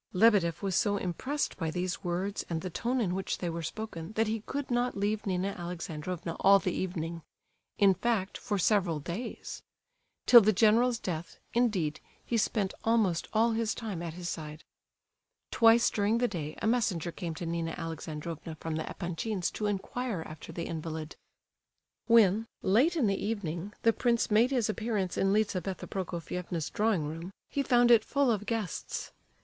Lebedeff was so impressed by these words, and the tone in which they were spoken, that he could not leave Nina Alexandrovna all the evening—in fact, for several days. Till the general's death, indeed, he spent almost all his time at his side. Twice during the day a messenger came to Nina Alexandrovna from the Epanchins to inquire after the invalid. When—late in the evening—the prince made his appearance in Lizabetha Prokofievna's drawing room, he found it full of guests. Mrs.